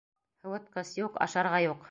Һыуытҡыс юҡ, ашарға юҡ!